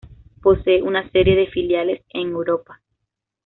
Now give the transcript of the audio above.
Posee una serie de filiales en Europa.